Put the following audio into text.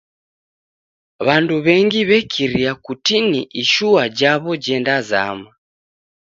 W'andu w'engi w'ekiria kutini ishua jaw'o jendazama.